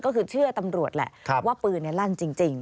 ก็คือเชื่อตำรวจแหละว่าปืนลั่นจริง